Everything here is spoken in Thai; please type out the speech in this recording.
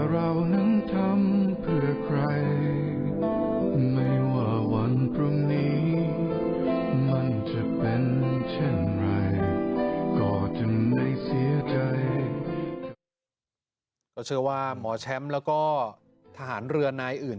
ก็เชื่อว่าหมอแชมป์แล้วก็ทหารเรือนายอื่น